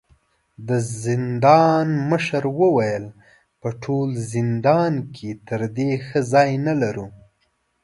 د زندان مشر وويل: په ټول زندان کې تر دې ښه ځای نه لرو.